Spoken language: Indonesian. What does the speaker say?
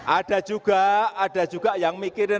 ada juga ada juga yang mikirin